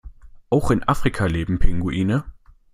Auch in Afrika leben Pinguine.